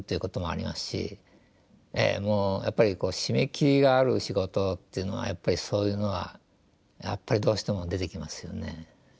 ええもうやっぱり締め切りがある仕事っていうのはやっぱりそういうのはやっぱりどうしても出てきますよね。